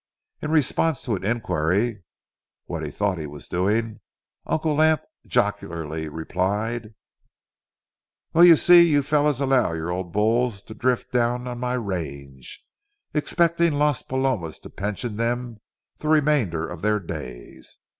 In response to an inquiry—"what he thought he was doing"—Uncle Lance jocularly replied:— "Well, you see, you fellows allow your old bulls to drift down on my range, expecting Las Palomas to pension them the remainder of their days.